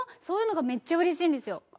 そういうのがめっちゃうれしいんですよ。